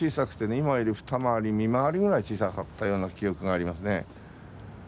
今より二回り三回りぐらい小さかったような記憶がありますね。